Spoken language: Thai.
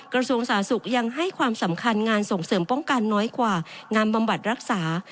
กระทรวงสาธารณสุขยังให้ความสำคัญงานส่งเสริมป้องกันน้อยกว่างานบำบัดรักษา